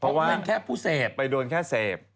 เพราะว่าเป็นแค่ผู้เสพไปโดนแค่เสพ